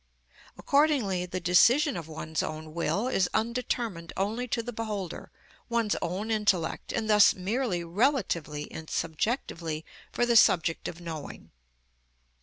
Accordingly, the decision of one's own will is undetermined only to the beholder, one's own intellect, and thus merely relatively and subjectively for the subject of knowing.